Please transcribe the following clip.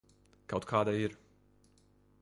Kaut kāda ir.